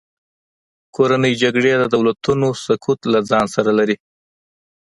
کورنۍ جګړې د دولتونو سقوط له ځان سره لري.